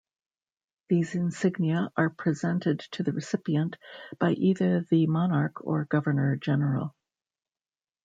These insignia are presented to the recipient by either the monarch or governor general.